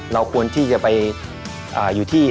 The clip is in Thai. เราควรที่จะไปอยู่ที่